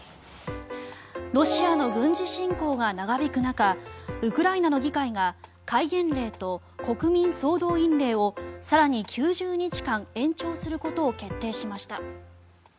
ロシアの軍事侵攻が長引く中ウクライナの議会が戒厳令と国民総動員令を更に９０日間延長することを決定しました。